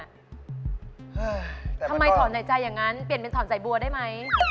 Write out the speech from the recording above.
ทำไมถอนหายใจอย่างนั้นเปลี่ยนเป็นถอนใส่บัวได้ไหม